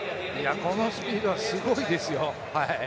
このスピードはすごいですよ。